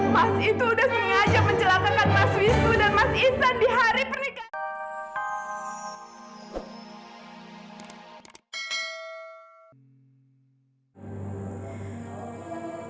mas itu udah sengaja mencelakakan mas wisnu dan mas isan di hari pernikahan